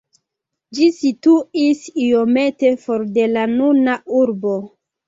Ĝi situis iomete for de la nuna urbo.